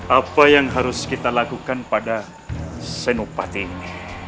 apa yang harus kita lakukan pada senopati ini